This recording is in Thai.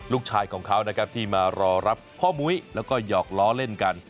ลูกชายของเขานะครับที่มารอรับพ่อมุ้ยแล้วก็หยอกล้อเล่นกัน